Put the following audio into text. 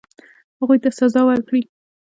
هغوی ته سزا ورکړي.